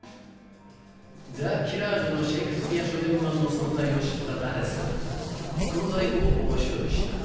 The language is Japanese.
『ＴｈｅＫｉｌｌｅｒｓ』のシェイクスピア書店版の存在を知ったダレスはその在庫を押収した。